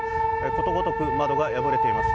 ことごとく窓が破れています。